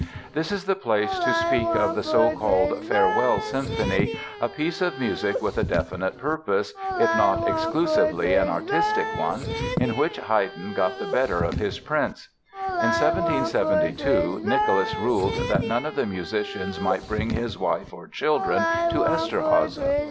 This is the place to speak of the so called "Farewell Symphony", a piece of music with a definite purpose (if not exclusively an artistic one) in which Haydn got the better of his prince. In 1772 Nicholas ruled that none of the musicians might bring his wife or children to Eszterháza.